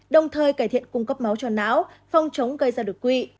đồng thời cải thiện cung cấp máu cho não phong chống gây ra đột quỵ